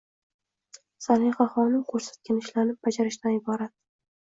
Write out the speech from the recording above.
Sanihaxonim ko'rsatgan ishlarni bajarishdan iborat.